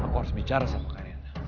aku harus bicara sama kalian